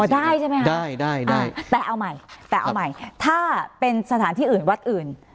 ได้ใช่ไหมคะได้ได้แต่เอาใหม่แต่เอาใหม่ถ้าเป็นสถานที่อื่นวัดอื่น